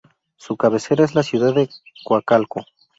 Su cabecera es la ciudad de Coacalco.